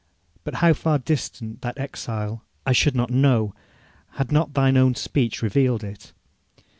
But how far distant that exile I should not know, had not thine own speech revealed it.